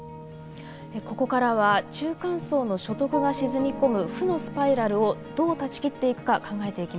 ここからは中間層の所得が沈み込む負のスパイラルをどう断ち切っていくか考えていきます。